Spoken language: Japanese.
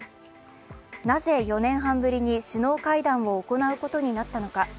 なぜ４年半ぶりに首脳会談を行うことになったのか。